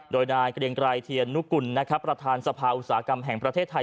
โดยนายเกรียงไกรเทียนนุกุลนะครับประธานสภาอุตสาหกรรมแห่งประเทศไทย